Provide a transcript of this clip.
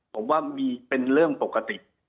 ผมว่ามีเป็นเรื่องปกติ